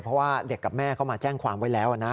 เพราะว่าเด็กกับแม่เขามาแจ้งความไว้แล้วนะ